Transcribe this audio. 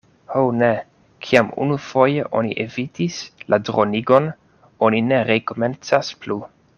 Ho, ne! Kiam unufoje oni evitis la dronigon, oni ne rekomencas plu.